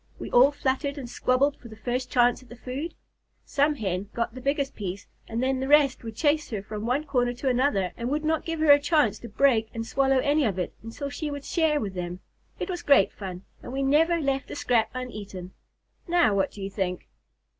We all fluttered and squabbled for the first chance at the food. Some Hen got the biggest piece, and then the rest would chase her from one corner to another, and not give her a chance to break and swallow any of it until she would share with them. It was great fun, and we never left a scrap uneaten. Now, what do you think?"